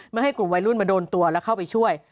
ไม่ให้กลุ่มวัยรุ่นมาโดนตัวแล้วเข้าไปช่วย